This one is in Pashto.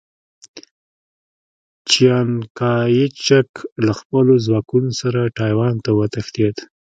چیانکایچک له خپلو ځواکونو سره ټایوان ته وتښتېد.